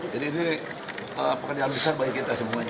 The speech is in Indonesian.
jadi ini pekerjaan besar bagi kita semuanya